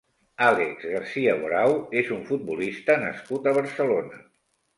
Àlex Garcia Borau és un futbolista nascut a Barcelona.